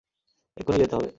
এক্ষুণি যেতে হবে।